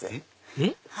えっ？